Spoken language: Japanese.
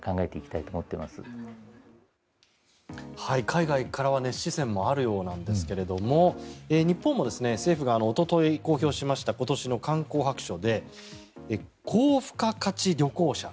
海外からは熱視線もあるようなんですが日本も政府がおととい、公表しました今年の観光白書で高付加価値旅行者。